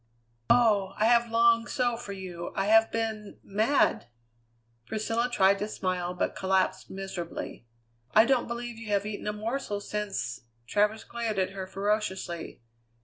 "Oh! I have longed so for you! I have been mad!" Priscilla tried to smile, but collapsed miserably. "I don't believe you have eaten a morsel since " Travers glared at her ferociously.